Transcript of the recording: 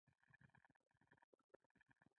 په همدې خاطر مې دوه رکعته شکريه نفل وکړ.